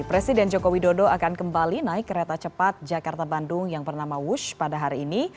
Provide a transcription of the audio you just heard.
presiden joko widodo akan kembali naik kereta cepat jakarta bandung yang bernama wush pada hari ini